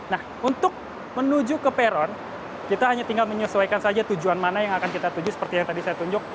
nah untuk menuju ke peron kita hanya tinggal menyesuaikan saja tujuan mana yang akan kita tuju seperti yang tadi saya tunjuk